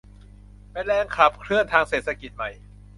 เป็นแรงขับเคลื่อนทางเศรษฐกิจใหม่